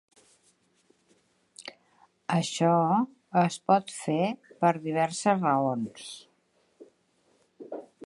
Això es pot fer per diverses raons.